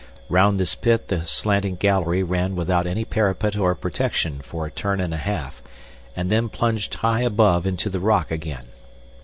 Round this pit the slanting gallery ran without any parapet or protection for a turn and a half, and then plunged high above into the rock again.